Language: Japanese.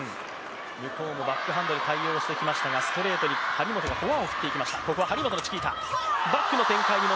向こうもバックハンドで対応してきましたが、ストレートに、張本がフォアを振っていきました。